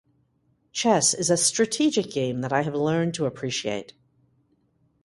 Chess is a strategic game that I have learned to appreciate.